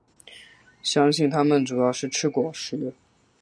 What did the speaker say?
相信它们主要是吃果实。